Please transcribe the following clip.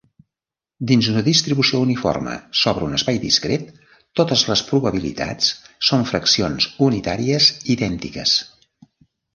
Dins una distribució uniforme sobre un espai discret, totes les probabilitats són fraccions unitàries idèntiques.